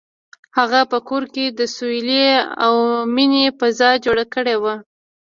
هغه په کور کې د سولې او مینې فضا جوړه کړې وه.